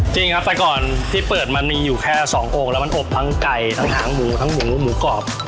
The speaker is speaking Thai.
จริงครับแต่ก่อนที่เปิดมันมีอยู่แค่๒โอ่งแล้วมันอบทั้งไก่ทั้งหางหมูทั้งหมูหมูกรอบ